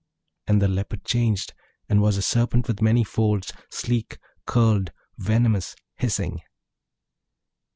And the Leopard changed, and was a Serpent with many folds, sleek, curled, venomous, hissing.